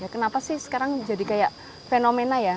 kenapa sih sekarang jadi kayak fenomena ya